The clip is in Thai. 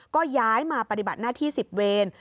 ก็ย้ายมาปฏิบัติหน้าที่๑๐เวร